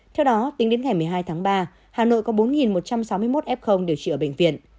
theo đó tính đến ngày một mươi hai tháng ba hà nội có bốn một trăm sáu mươi một f điều trị ở bệnh viện